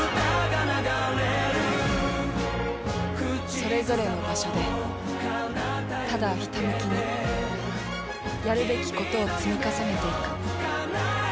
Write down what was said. それぞれの場所でただひたむきにやるべきことを積み重ねていく。